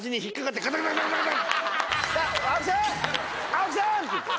青木さん！」って言って。